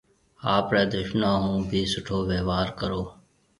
آپرَي دُشمنون هون ڀِي سُٺو ويهوار ڪرو۔